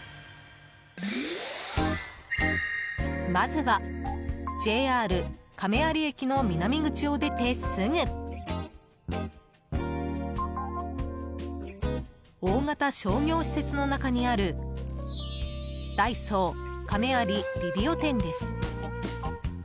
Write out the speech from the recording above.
まずはＪＲ亀有駅の南口を出てすぐ大型商業施設の中にあるダイソー亀有リリオ店です。